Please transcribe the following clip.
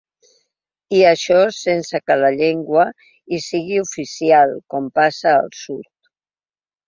I això sense que la llengua hi sigui oficial, com passa al sud.